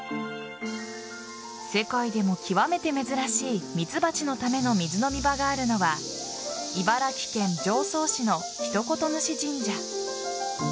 世界でも極めて珍しいミツバチのための水飲み場があるのは茨城県常総市の一言主神社。